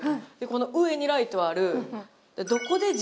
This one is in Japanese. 上にライトがある。